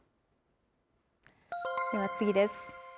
では次です。